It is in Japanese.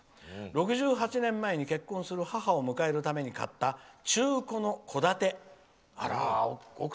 ６８年前に結婚する母を迎えるために買った中古の戸建て。